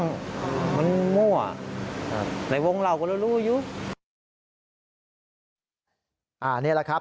นี่แหละครับ